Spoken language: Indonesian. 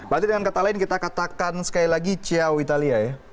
berarti dengan kata lain kita katakan sekali lagi chiau italia ya